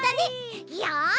よし！